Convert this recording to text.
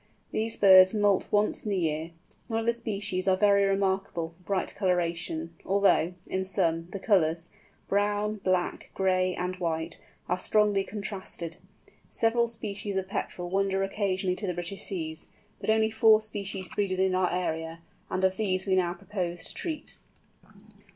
These birds moult once in the year. None of the species are very remarkable for bright colouration, although, in some, the colours—brown, black, gray, and white—are strongly contrasted. Several species of Petrel wander occasionally to the British seas, but only four species breed within our area, and of these we now propose to treat.